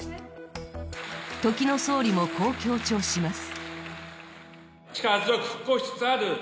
時の総理もこう強調します。